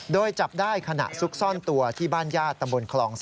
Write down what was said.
โดยจับได้ขณะซุกซ่อนตัวที่บ้านญาติตำบลคลอง๓